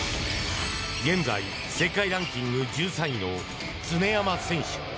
現在、世界ランキング１３位の常山選手。